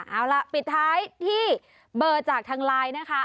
เอาล่ะปิดท้ายที่เบอร์จากทางไลน์นะคะ